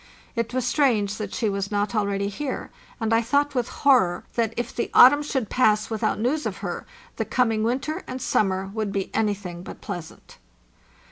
It was strange that she was not already here, and I thought with horror that if the autumn should pass with out news of her, the coming winter and summer would be anything but pleasant.